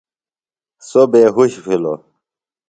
سوۡ بے ہُش بِھلوۡ۔